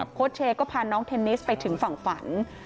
โค้ชเชย์ก็พาน้องเทนนิสไปถึงฝั่งฝัน